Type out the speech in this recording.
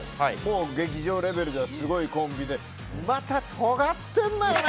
劇場レベルで、すごいコンビでまたとがってるんだよね。